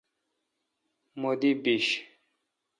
مہ دی بیش۔